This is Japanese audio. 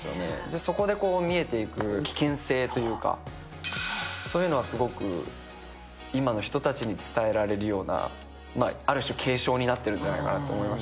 そこで見えていく危険性というか、そういうのはすごく、今の人たちに伝えられるようなある種、警鐘になっているんじゃないかなと思います。